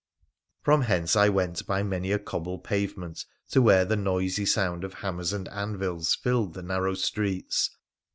From hence I went by many a cobble pavement to when the noisy sound of hammers and anvils filled the narrow streets.